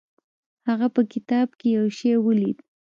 هغه په کتاب کې یو شی ولید.